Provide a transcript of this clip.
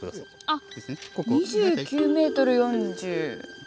あっ２９ｍ４０。